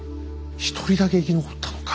一人だけ生き残ったのか。